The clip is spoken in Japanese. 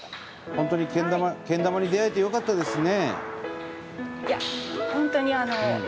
本当にけん玉に出会えてよかったですね。